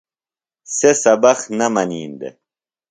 سےۡ سبق نہ منین دےۡ۔